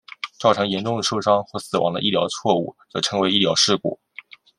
造成严重受伤或死亡的医疗错误则称为医疗事故。